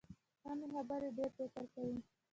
کمې خبرې، ډېر فکر کوي.